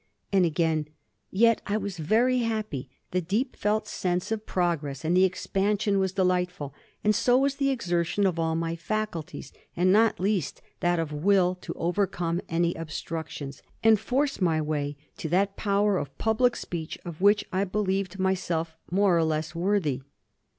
And again: "Yet I was very happy; the deep felt sense of progress and expansion was delightful; and so was the exertion of all my faculties, and, not least, that of will to overcome any obstructions, and force my way to that power of public speech of which I believed myself more or less worthy."